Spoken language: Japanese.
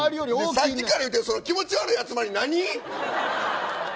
さっきから言うけどその気持ち悪い集まり何？